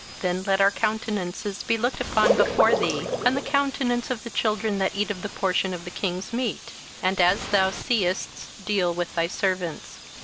27:001:013 Then let our countenances be looked upon before thee, and the countenance of the children that eat of the portion of the king's meat: and as thou seest, deal with thy servants.